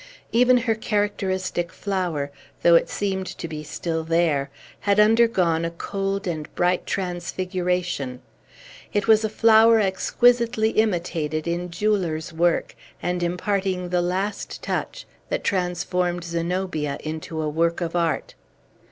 Even her characteristic flower, though it seemed to be still there, had undergone a cold and bright transfiguration; it was a flower exquisitely imitated in jeweller's work, and imparting the last touch that transformed Zenobia into a work of art.